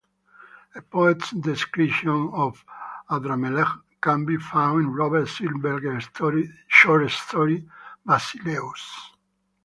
A poet's description of Adramelech can be found in Robert Silverberg's short story "Basileus".